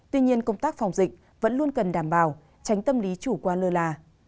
tuy nhiên công tác phòng dịch vẫn luôn cần đảm bảo tránh tâm lý chủ quan lơ là